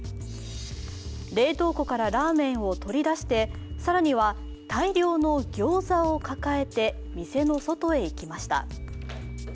冷凍庫からラーメンを取り出して更には、大量のギョーザを抱えて店の外へ行きました。